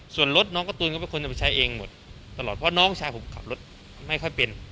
ส่วนรถน้องการ์ตูนก็เป็นคนจะไปใช้เองหมดตลอดเพราะน้องชายผมขับรถไม่ค่อยเป็น